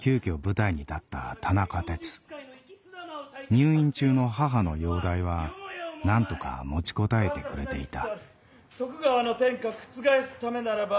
入院中の母の容体はなんとか持ちこたえてくれていた。